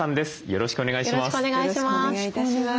よろしくお願いします。